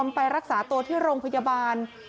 ยังไม่ยอมรักษาตัวที่โรงพยาบาล